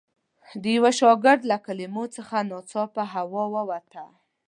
د یوه شاګرد له کلمو څخه ناڅاپه هوا ووته.